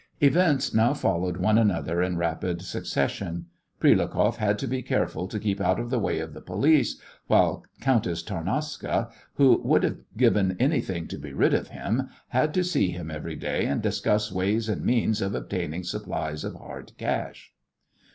Events now followed one another in rapid succession. Prilukoff had to be careful to keep out of the way of the police, whilst Countess Tarnowska, who would have given anything to be rid of him, had to see him every day and discuss ways and means of obtaining supplies of hard cash.